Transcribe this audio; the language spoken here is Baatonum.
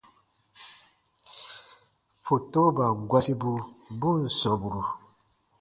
Fotoban gɔsibu bu ǹ sɔmburu.